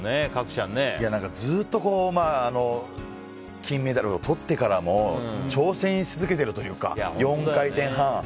ずっと金メダルをとってからも挑戦し続けているというか４回転半。